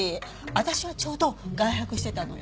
私はちょうど外泊してたのよ。